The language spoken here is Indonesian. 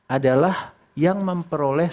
adalah yang memperoleh